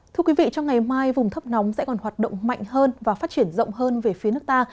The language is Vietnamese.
thưa quý vị trong ngày mai vùng thấp nóng sẽ còn hoạt động mạnh hơn và phát triển rộng hơn về phía nước ta